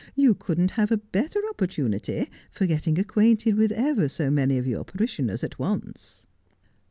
You couldn't have a better opportunity for getting acquainted with ever so many of your parishioners at once.'